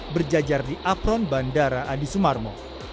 berjajar di apron bandara adi sumarmo